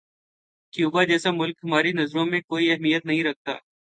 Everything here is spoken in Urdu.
کیوبا جیسا ملک ہماری نظروں میں کوئی اہمیت نہیں رکھتا۔